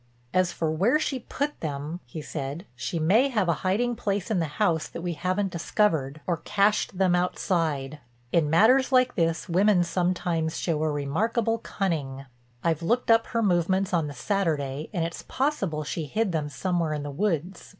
"As for where she put them," he said, "she may have a hiding place in the house that we haven't discovered, or cached them outside. In matters like this women sometimes show a remarkable cunning. I've looked up her movements on the Saturday and it's possible she hid them somewhere in the woods.